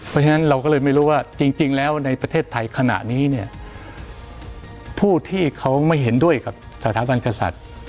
เพราะฉะนั้นเราก็เลยไม่รู้ว่าจริงแล้วในประเทศไทยขณะนี้เนี่ยผู้ที่เขาไม่เห็นด้วยกับสถาบันกษัตริย์